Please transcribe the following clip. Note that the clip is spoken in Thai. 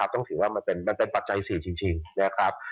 ต้องถือว่ามันเป็นปัจจัย๔จริง